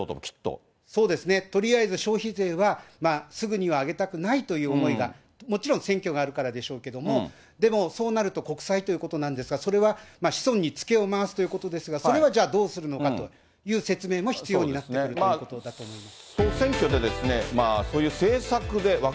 そうですね、とりあえず消費税は、すぐには上げたくないという思いが、もちろん選挙があるからでしょうけれども、でもそうなると国債ということなんですが、それは子孫に付けを回すということですが、それはじゃあ、どうするのかという説明も必要になってくるということだと思います。